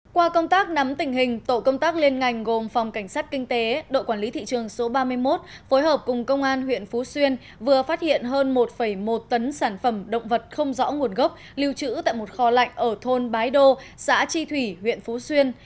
qua công tác nắm tình hình tổ công tác liên ngành gồm phòng cảnh sát kinh tế đội quản lý thị trường số ba mươi một phối hợp cùng công an huyện phú xuyên vừa phát hiện hơn một một tấn sản phẩm động vật không rõ nguồn gốc lưu trữ tại một kho lạnh ở thôn bái đô xã tri thủy huyện phú xuyên